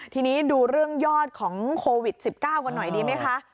ทีนี้ดูเรื่องยอดของโควิด๑๙กันหน่อยดีไหมคะ